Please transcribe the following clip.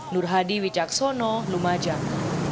nur hadi wicaksono lumajang